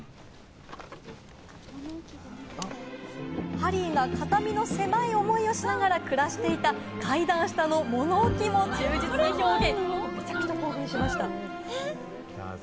ハリーが肩身の狭い思いをしながら暮らしていた階段下の物置も忠実に再現。